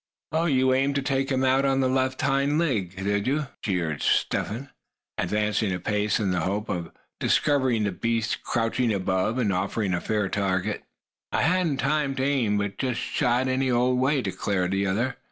"Oh! you aimed to take him on the left hind leg, did you?" jeered Step Hen, advancing a pace in the hope of discovering the beast crouching above, and offering a fair target. "I hadn't time to aim, but just shot any old way," declared the other.